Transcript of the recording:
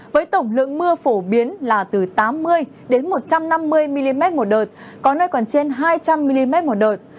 với tổng lượng mưa phổ biến là từ tám mươi một trăm năm mươi mm một đợt có nơi còn trên hai trăm linh mm một đợt